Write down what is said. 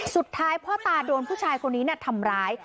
สุดท้ายพ่อตาโดนผู้ชายคนนี้ทำร้าย